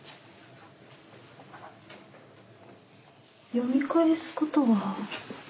読み返すことは？